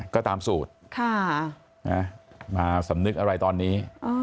ก็ตามสูตรมาสำนึกอะไรตอนนี้